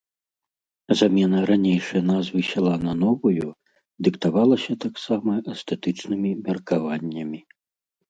Замена ранейшай назвы сяла на новую дыктавалася таксама эстэтычнымі меркаваннямі.